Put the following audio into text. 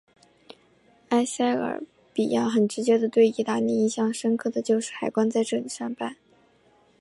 埃塞俄比亚很直接的对意大利印象深刻的就是海关在这里上班。